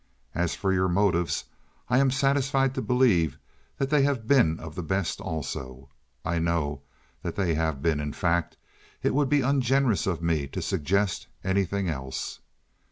As for your motives, I am satisfied to believe that they have been of the best also. I know that they have been, in fact—it would be ungenerous of me to suggest anything else."